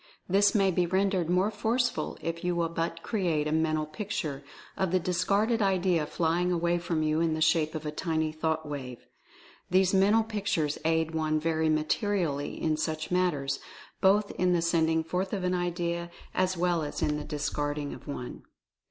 This may be rendered more forceful if you will but create a Mental Picture of the discarded idea flying away from you in the shape of a tiny thought wave. These Mental Pictures aid one very materially in such matters, both in the sending forth of an idea, as well as in the discarding of one.